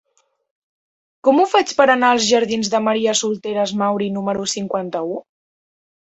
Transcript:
Com ho faig per anar a la jardins de Maria Soteras Mauri número cinquanta-u?